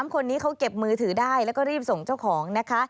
คนนี้เขาเก็บมือถือได้แล้วก็รีบส่งเจ้าของนะคะ